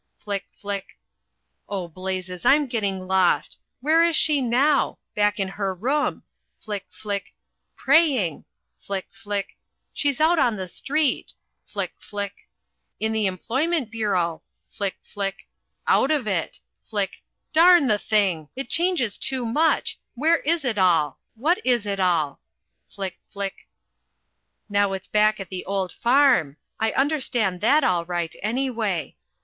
Flick, flick! Oh, blazes! I'm getting lost! Where is she now? Back in her room flick, flick praying flick, flick! She's out on the street! flick, flick! in the employment bureau flick, flick! out of it flick darn the thing! It changes too much where is it all? What is it all ? Flick, flick! Now it's back at the old farm I understand that all right, anyway!